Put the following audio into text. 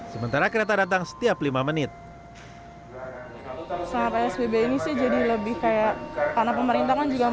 sementara kereta datang setiap lima menit